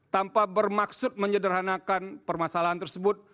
tanpa bermaksud menyederhanakan permasalahan tersebut